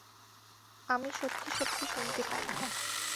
আমি সত্যি সত্যি শুনতে পাই।